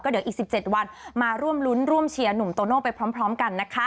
เดี๋ยวอีก๑๗วันมาร่วมรุ้นร่วมเชียร์หนุ่มโตโน่ไปพร้อมกันนะคะ